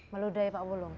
meludai pak wulung